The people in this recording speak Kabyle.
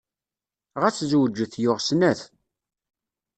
Ɣas zewǧet, yuɣ snat.